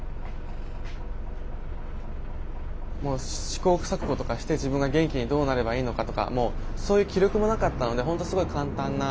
試行錯誤とかして自分が元気にどうなればいいのかとかそういう気力もなかったので本当すごい簡単な。